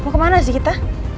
mau kemana sih kita